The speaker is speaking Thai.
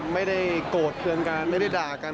ไม่ได้โกรธเครื่องกันไม่ได้ด่ากัน